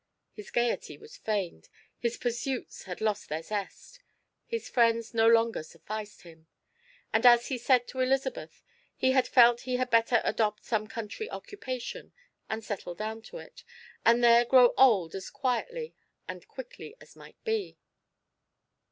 His gaiety was feigned, his pursuits had lost their zest, his friends no longer sufficed him: and as he said to Elizabeth, he had felt he had better adopt some country occupation and settle down to it, and there grow old as quietly and quickly as might be.